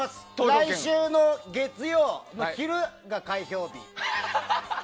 来週の月曜の昼が開票日。